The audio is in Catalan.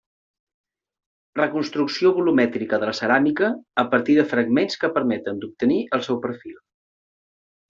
Reconstrucció volumètrica de la ceràmica a partir de fragments que permeten d'obtenir el seu perfil.